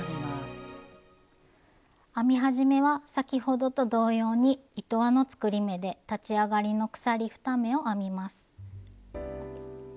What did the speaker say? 編み始めは先ほどと同様に糸輪の作り目で立ち上がりの鎖２目を編みます。